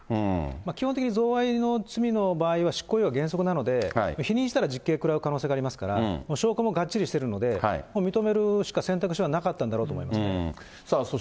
基本的に贈賄の罪の場合は、執行猶予が原則なので、否認したら実刑食らう可能性がありますから、証拠もがっちりしてるので、もう認めるしか選択肢はなかったんだろうと思いますね。